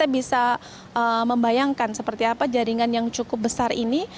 bisa membayangkan seperti apa jaringan yang cukup besar ini